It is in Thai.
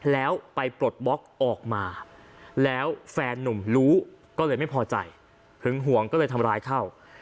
แล้วไปปลดบล็อกออกมาแล้วแฟนนุ่มรู้ก็เลยไม่พอใจหึงห่วงก็เลยทำร้ายเข้า